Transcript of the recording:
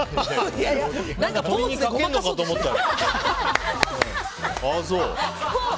何か鶏にかけるのかと思ったら。